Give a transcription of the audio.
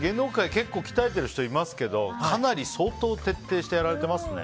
結構鍛えてる人いますけどかなり、相当徹底してやられてますね。